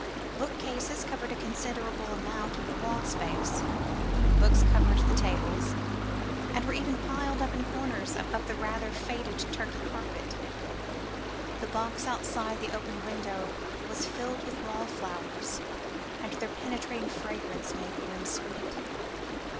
Bookcases covered a considerable amount of the wall space, books covered the tables, and were even piled upon a corner of the rather faded Turkey carpet. The box outside the open window was filled with wallflowers, and their penetrating fragrance made the room sweet.